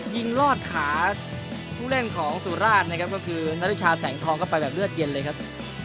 ลอดขาผู้เล่นของสุราชนะครับก็คือนาริชาแสงทองเข้าไปแบบเลือดเย็นเลยครับ